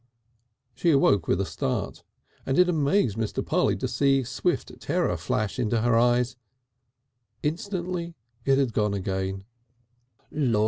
She awoke with a start, and it amazed Mr. Polly to see swift terror flash into her eyes. Instantly it had gone again.